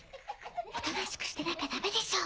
おとなしくしてなきゃダメでしょ。